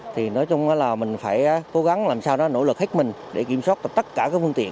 thì nói chung là mình phải cố gắng làm sao đó nỗ lực hết mình để kiểm soát tất cả các phương tiện